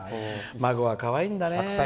孫はかわいいんだな。